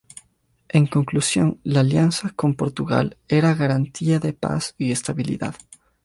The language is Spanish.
En conclusión, la alianza con Portugal era garantía de paz y estabilidad.